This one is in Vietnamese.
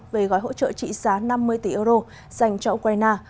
về gói hỗ trợ trị giá năm mươi tỷ euro dành cho ukraine